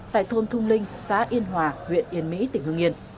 tại thôn thung linh xã yên hòa huyện yên mỹ tỉnh hương yên